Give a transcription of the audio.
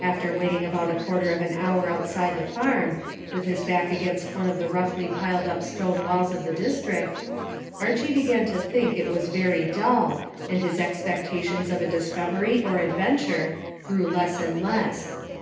After waiting about a quarter of an hour outside the farm, with his back against one of the roughly piled up stone walls of the district, Archy began to think it was very dull, and his expectations of a discovery or an adventure grew less and less.